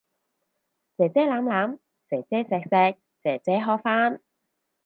姐姐攬攬，姐姐錫錫，姐姐呵返